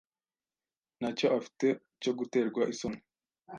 ntacyo afite cyo guterwa isoni.